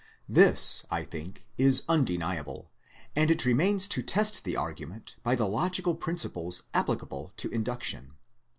This, I think, is undeniable, and it remains to test the argument by the logical principles applicable to Induction.